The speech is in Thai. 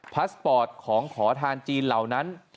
พาสปอร์ตของขอทานจีนเหล่านั้น